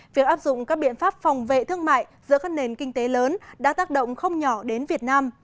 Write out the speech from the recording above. việc áp dụng các biện pháp phòng vệ thương mại giữa các nền kinh tế lớn đã tác động không nhỏ đến việt nam